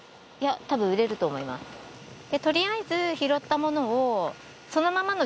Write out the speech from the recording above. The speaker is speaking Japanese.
取りあえず拾ったものを。